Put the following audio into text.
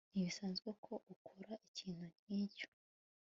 Ntibisanzwe ko ukora ikintu nkicyo